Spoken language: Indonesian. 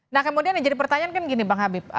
nah kemudian yang jadi pertanyaan kan gini bang habib